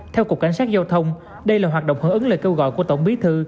theo cục cảnh sát giao thông đây là hoạt động hưởng ứng lời kêu gọi của tổng bí thư